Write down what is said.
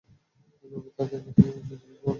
নবী তাদের কাছে ঐ কৃষ্ণকায় লোকটির খবর জিজ্ঞেস করেন।